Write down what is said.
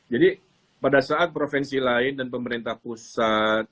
jadi pada saat provinsi lain dan pemerintah pusat